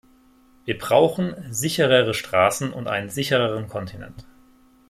Wir brauchen sicherere Straßen und einen sichereren Kontinent.